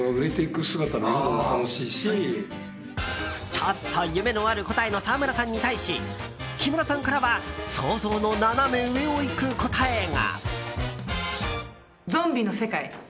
ちょっと夢のある答えの沢村さんに対し木村さんからは想像の斜め上を行く答えが。